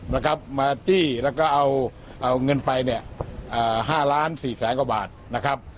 นะครับมาจี้แล้วก็เอาเงินไป๕ล้าน๔๐๐กว่าบาทนะครับ